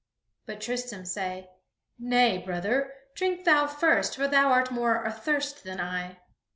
But Tristram said: "Nay, brother, drink thou first, for thou art more athirst than I."